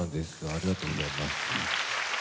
ありがとうございます。